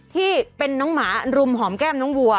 ที่เป็นน้องหมารุมหอมแก้มน้องวัว